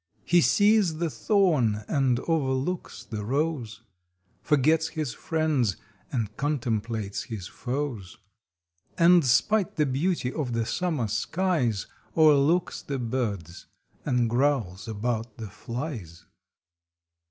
He sees the thorn and overlooks the rose, Forgets his friends and contemplates his foes, And, spite the beauty of the summer skies O erlooks the birds and growls about the flies.